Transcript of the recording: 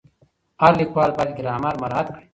هر لیکوال باید ګرامر مراعت کړي.